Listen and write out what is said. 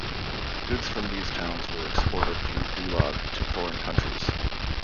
Goods from these towns were exported through Dulag to foreign countries.